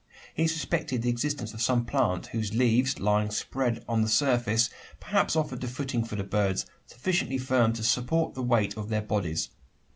He suspected the existence of some plant, whose leaves, lying spread on the surface, perhaps offered a footing for the birds, sufficiently firm to support the weight of their bodies.